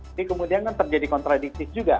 ini kemudian kan terjadi kontradiktif juga